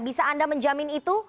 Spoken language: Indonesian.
bisa anda menjamin itu